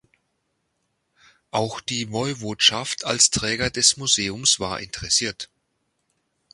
Auch die Woiwodschaft als Träger des Museums war interessiert.